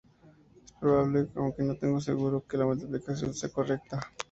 Es probable, aunque no seguro, que la multiplicación sea correcta.